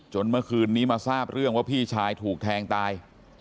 เมื่อคืนนี้มาทราบเรื่องว่าพี่ชายถูกแทงตาย